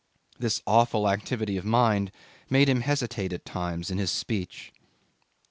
This awful activity of mind made him hesitate at times in his speech. .